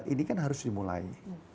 ini kan harus dimulai